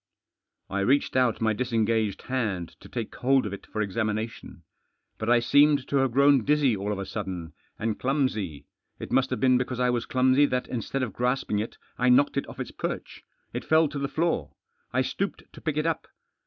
I reached out my disengaged hand to take hold of it for examination. But I seemed to have grown dizzy all of a sudden* and clutnsy. It must have been because I was clumsy that, instead of grasping it, I knocked it off its peith. It fell to the floor. I stooped to pick it up.